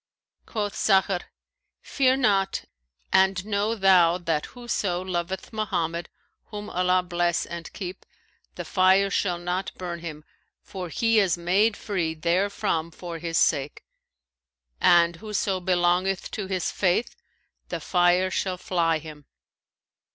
Quoth Sakhr, 'Fear not, and know thou that whoso loveth Mohammed (whom Allah bless and keep!) the fire shall not burn him, for he is made free therefrom for his sake; and whoso belongeth to his Faith the fire shall fly him.